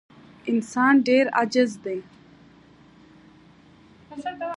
انسان ډېر عاجز دی.